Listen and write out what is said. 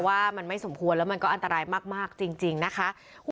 ว่ามันไม่สมควรแล้วมันก็อันตรายมากจริงนะคะ